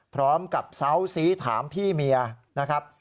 พร้อมกับเซาสีถามพี่เมียนะครับ